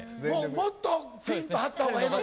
もっとピーンと張ったほうがええのか。